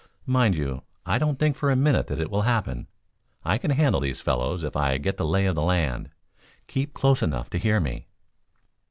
"Mind you, I don't think for a minute that it will happen. I can handle these fellows if I get the lay of the land. Keep close enough to hear me."